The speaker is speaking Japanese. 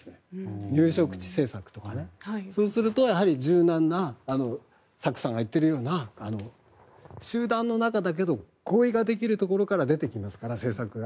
入植地政策とかそうすると柔軟な集団の中だけど合意ができるところから出てきますから政策が。